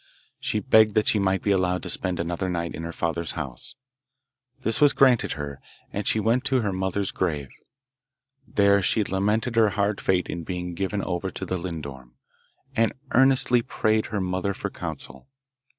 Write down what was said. She begged that she might be allowed to spend another night in her father's house. This was granted her, and she went to her mother's grave. There she lamented her hard fate in being given over to the lindorm, and earnestly prayed her mother for counsel.